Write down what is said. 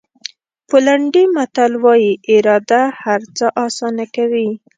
پولنډي متل وایي اراده هر څه آسانه کوي.